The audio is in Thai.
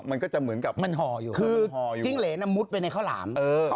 มันก็จะเหมือนกับมันห่ออยู่คือจิ้งเหรนมุดไปในข้าวหลาม